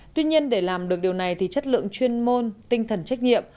tuy nhiên để làm được điều này thì chất lượng chuyên môn tinh thần trách nhiệm